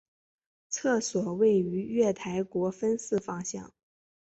厕所位于月台国分寺方向。